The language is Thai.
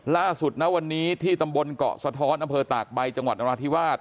ล่าสุดนะวันนี้ที่ตำบลเกาะสะท้อนอำเภอตากใบจังหวัดนราธิวาส